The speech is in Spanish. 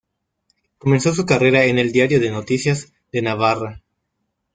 Comenzó su carrera en el "Diario de Noticias" de Navarra.